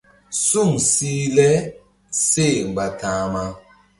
Suŋ sih le seh mgba ta̧hma.